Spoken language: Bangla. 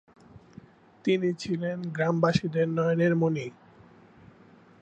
তিনি ছিলেন গ্রামবাসীদের নয়নের মণি।